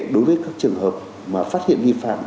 đối với các trường hợp mà phát hiện vi phạm